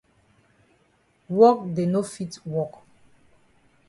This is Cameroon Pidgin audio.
Wok dey no fit wok.